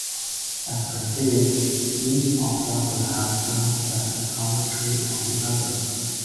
As conceived, each opera would have served as a commentary on the other.